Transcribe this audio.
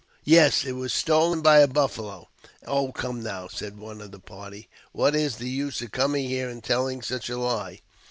" Yes, it was stolen by a buffalo." ^" Oh, come, now," said one of the party, " what is the use of coming here and telling such a lie?"